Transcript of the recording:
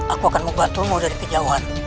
aku akan membantu kamu dari kejauhan